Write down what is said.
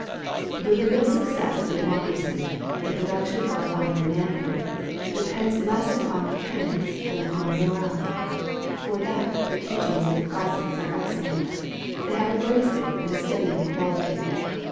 The real success of a democracy — ^the production of a finer manhood — depends less upon mechanics than upon morale. For that the teachings of the classics are excellent. They have a bracing and a steadying quality.